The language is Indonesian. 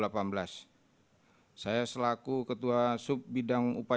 pertama sekali saya selaku ketua subbidang universitas